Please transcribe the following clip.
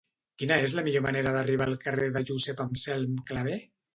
Quina és la millor manera d'arribar al carrer de Josep Anselm Clavé?